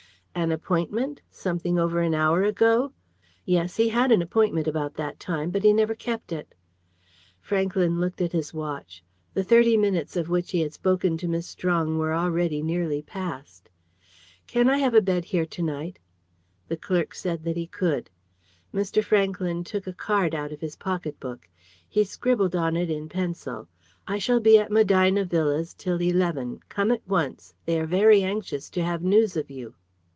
"An appointment? Something over an hour ago? Yes, he had an appointment about that time, but he never kept it." Franklyn looked at his watch. The thirty minutes of which he had spoken to Miss Strong were already nearly past. "Can I have a bed here to night?" The clerk said that he could. Franklyn took a card out of his pocket book. He scribbled on it in pencil "I shall be at Medina Villas till eleven. Come at once. They are very anxious to have news of you."